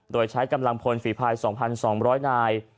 โดยใช้กำลังพลฝีภาย๒๒๐๐นาย